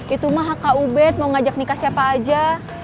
itu mah hak kau bet mau ngajak nikah siapa aja